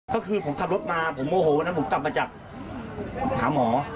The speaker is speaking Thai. ก็คือผมขับรถมาผมโมโหวันนั้นผมกลับมาจากหาหมอ